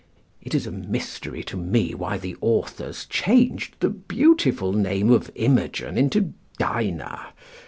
It is a mystery to me why the authors changed the beautiful name of Imogen into Dinah.